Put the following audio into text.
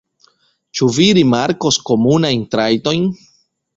Ĉu vi rimarkos komunajn trajtojn?